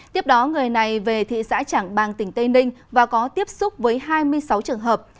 tiếp đó người này về thị xã trảng bàng tỉnh tây ninh và có tiếp xúc với hai mươi sáu trường hợp